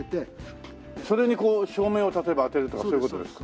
それにこう照明を例えば当てるとかそういう事ですか？